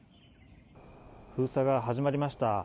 封鎖が始まりました。